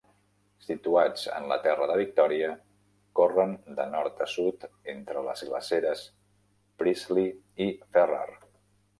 Situats en la Terra de Victoria, corren de nord a sud entre les glaceres Priestley i Ferrar.